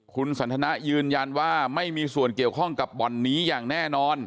คุณสันทนายืนยันว่าไม่มีส่วนเกี่ยวข้องกับบ่อนนี้อย่างแน่นอน